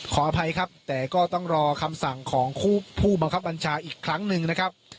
ขออภัยครับแต่ก็ต้องรอคำสั่งของผู้บังคับบัญชาอีกครั้งหนึ่งนะครับ